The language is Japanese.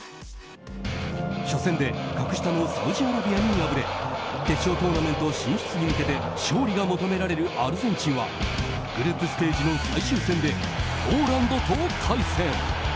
初戦で格下のサウジアラビアに敗れ決勝トーナメント進出に向けて勝利が求められるアルゼンチンはグループステージの最終戦でポーランドと対戦。